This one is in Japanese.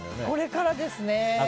これからですね。